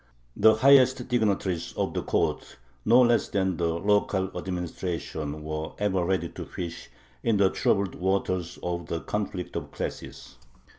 The highest dignitaries of the court no less than the local administration were ever ready to fish in the troubled waters of the conflict of classes.